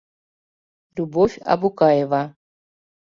Любовь Абукаева